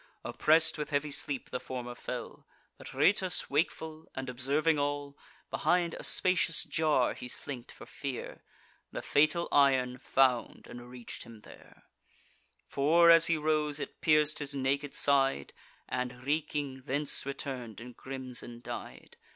Oppress'd with heavy sleep the former fell, But Rhoetus wakeful, and observing all: Behind a spacious jar he slink'd for fear; The fatal iron found and reach'd him there; For, as he rose, it pierc'd his naked side, And, reeking, thence return'd in crimson dyed.